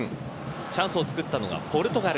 チャンスをつくったのがポルトガル。